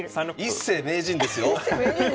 一世名人ですよ！